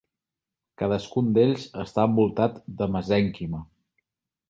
Cadascun d'ells està envoltat de mesènquima.